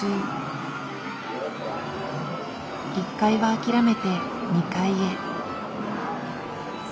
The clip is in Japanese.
１階は諦めて２階へ。